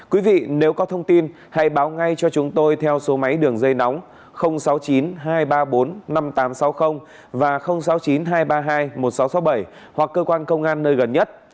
quý vị nếu có thông tin hãy báo ngay cho chúng tôi theo số máy đường dây nóng sáu mươi chín hai trăm ba mươi bốn năm nghìn tám trăm sáu mươi và sáu mươi chín hai trăm ba mươi hai một nghìn sáu trăm sáu mươi bảy hoặc cơ quan công an nơi gần nhất